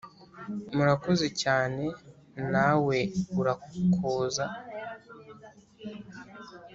murakoze cyane nawe urakoza